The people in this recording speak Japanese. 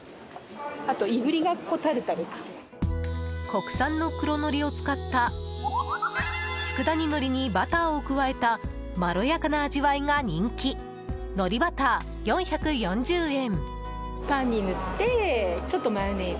国産の黒のりを使った佃煮のりにバターを加えたまろやかな味わいが人気海苔バター、４４０円。